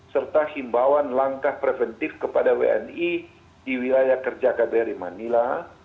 serta himbauan langkah preventif kepada wni di wilayah kerja kbri manila